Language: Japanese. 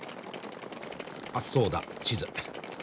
あっそうだ地図。